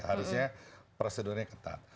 harusnya prosedurnya ketat